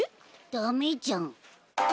ダメじゃん。